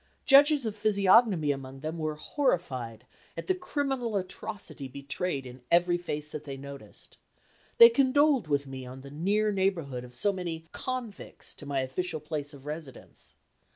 Judges of physiognomy among them were horrified at the criminal atrocity betrayed in every face that they noticed. They condoled with me on the near neighborhood of so many convicts to my official place of residence.